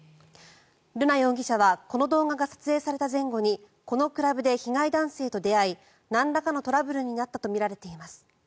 瑠奈容疑者はこの動画が撮影された前後にこのクラブで被害男性と出会いなんらかのトラブルになったとみられています。